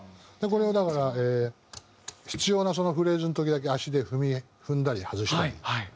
これをだから必要なそのフレーズの時だけ足で踏んだり外したり。